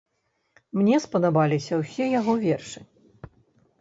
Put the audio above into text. Мне спадабаліся ўсе яго вершы.